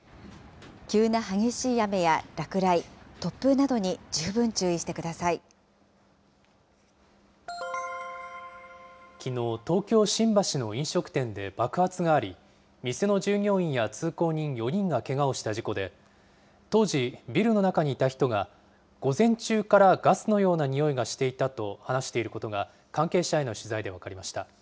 急な激しい雨や落雷、きのう、東京・新橋の飲食店で爆発があり、店の従業員や通行人４人がけがをした事故で、当時、ビルの中にいた人が、午前中からガスのようなにおいがしていたと話していることが、関係者への取材で分かりました。